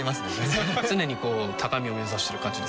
全然常にこう高みを目指してる感じですか